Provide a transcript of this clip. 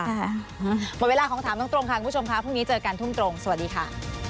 หมดเวลาของถามตรงค่ะคุณผู้ชมค่ะพรุ่งนี้เจอกันทุ่มตรงสวัสดีค่ะ